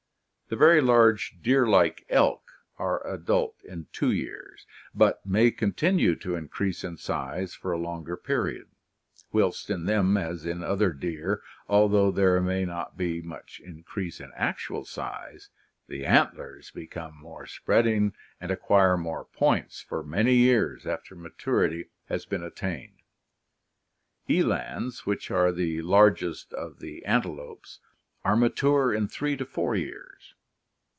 The very large deerlike elk are adult in two years, but may continue to increase in size for a longer period; whilst in them as in other deer, although there may not be much increase in actual size, the antlers become more spreading and acquire more points for many years after maturity has been attained. Elands, which are the largest of the an telopes, are mature in three to four years.